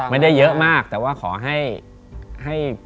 ไม่ได้เยอะมากแต่ว่าขอให้